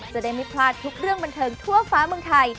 จะได้ไม่พลาดทุกเรื่องบันเทิงทั่วฟ้าเมืองไทย